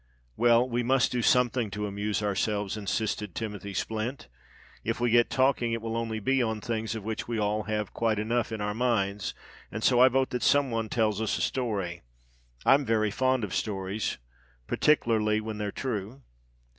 "Well, we must do something to amuse ourselves," insisted Timothy Splint. "If we get talking, it will only be on things of which we all have quite enough in our minds; and so I vote that some one tells us a story: I'm very fond of stories—particklerly when they're true."